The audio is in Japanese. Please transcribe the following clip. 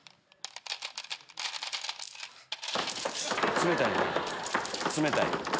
冷たいねや冷たい。